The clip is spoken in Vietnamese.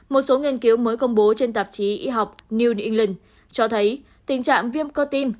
một số nghiên cứu mới công bố trên tạp chí y học new y cho thấy tình trạng viêm cơ tim